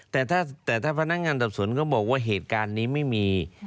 แต่ถ้าพนักงานสอบสวนก็บอกว่าเหตุการณ์นี้ไม่มี